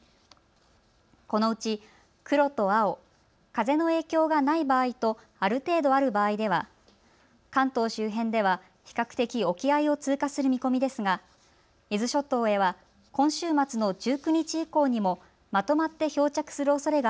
このうち黒と青、風の影響がない場合とある程度ある場合では関東周辺では比較的沖合を通過する見込みですが伊豆諸島へは、今週末の１９日以降にもまとまって漂着するおそれが